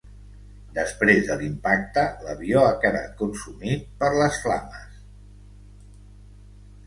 Després de l’impacte, l’avió ha quedat consumit per les flames.